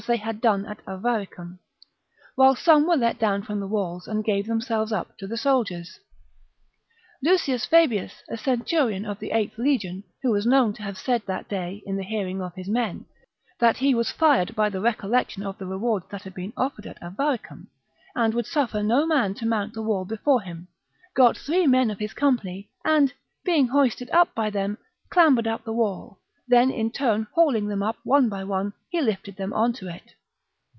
they had done at Avaricum ; while some were let down from the walls and gave themselves up to the soldiers. Lucius Fabius, a centurion of the 8th legion, who was known to have said that day, in the hearing of his men, that he was fired by the recollection of the rewards that had been offered at Avaricum, and would suffer no man to mount the wall before him, got three men of his company, and, being hoisted up by them, clambered up the wall ; then in turn hauling them up one by one, he lifted them on to it.